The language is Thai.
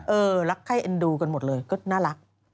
เออลักษัยเอ็นดูกันหมดเลยก็น่ารัก